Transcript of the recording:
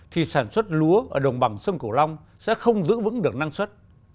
thì sản xuất lúa ở đồng bằng sông cửu long sẽ không giữ vững được năng suất